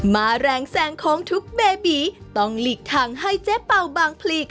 มาแรงแซงของทุกเบบีต้องหลีกทางให้เจ๊เป่าบางพลีเขาเลยละค่ะ